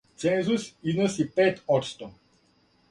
Цензус износи пет одсто.